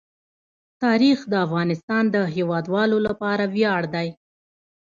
تاریخ د افغانستان د هیوادوالو لپاره ویاړ دی.